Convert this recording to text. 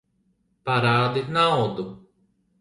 Parādi naudu!